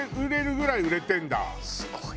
すごい。